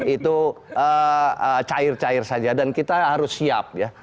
itu cair cair saja dan kita harus siap ya